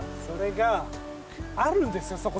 それがあるんですよ。